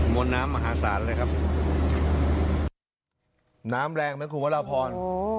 วนน้ำมหาศาลเลยครับน้ำแรงไหมคุณพระราพร